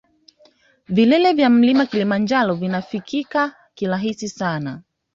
Vilele vya mlima kilimanjaro vinafikika kirahisi sana